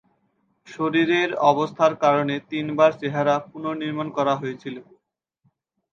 শরীরের অবস্থার কারণে তিনবার চেহারা পুনর্নির্মাণ করা হয়েছিল।